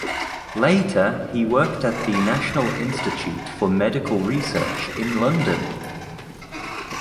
Later he worked at the National Institute for Medical Research in London.